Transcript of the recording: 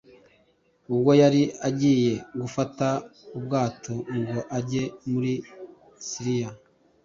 ubwo yari agiye gufata ubwato ngo ajye muri siriya